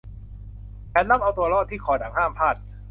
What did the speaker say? แผนลับเอาตัวรอดที่คอหนังห้ามพลาด